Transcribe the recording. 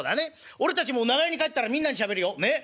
俺たちも長屋に帰ったらみんなにしゃべるよねっ。